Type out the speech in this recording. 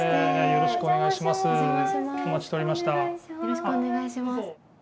よろしくお願いします。